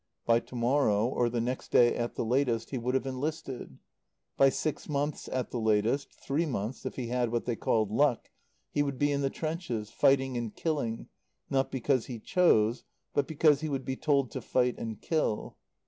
By to morrow, or the next day at the latest, he would have enlisted; by six months, at the latest, three months if he had what they called "luck," he would be in the trenches, fighting and killing, not because he chose, but because he would be told to fight and kill.